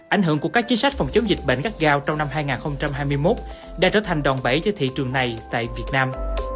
ảnh hưởng của các chính sách phòng chống dịch bệnh gắt gao trong năm hai nghìn hai mươi một đã trở thành đòn bẫy cho thị trường này tại việt nam